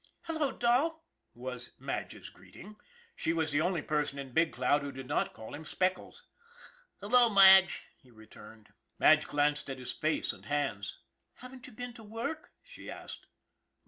" Hallo, Dol !" was Madge's greeting. She was the only person in Big Cloud who did not call him Speckles. "Hallo, Madge!" he returned. 312 ON THE IRON AT BIG CLOUD Madge glanced at his face and hands. " Haven't you been to work? " she asked.